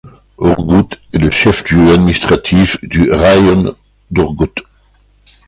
Ourgout est le chef-lieu administratif du raïon d'Ourgout.